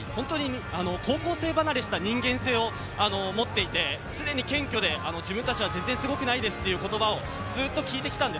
高校生離れした人間性を持っていて、常に謙虚で、自分たちは全然すごくないですという言葉をずっと聞いてきた。